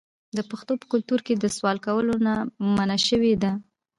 د پښتنو په کلتور کې د سوال کولو نه منع شوې ده.